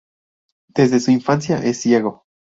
Desde su infancia, es ciego.